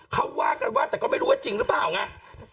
เขาว่ากันว่าแต่ก็ไม่รู้ว่าจริงหรือเปล่าไง